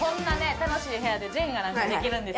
楽しい部屋でジェンガなんかできるんです。